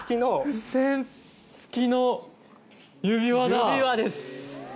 付箋付きの指輪だ。